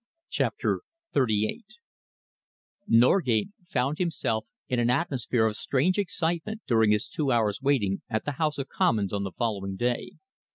CHAPTER XXXVIII Norgate found himself in an atmosphere of strange excitement during his two hours' waiting at the House of Commons on the following day.